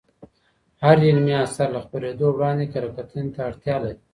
هر علمي اثر له خپریدو وړاندې کره کتنې ته اړتیا لري.